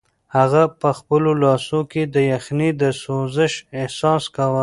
هغه په خپلو لاسو کې د یخنۍ د سوزش احساس کاوه.